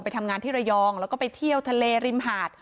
ทำงานที่ระยองแล้วก็ไปเที่ยวทะเลริมหาด